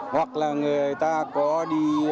hoặc là người ta có đi